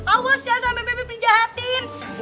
awas ya sampe bebe dijahatin